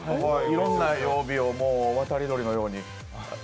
いろんな曜日を渡り鳥のように。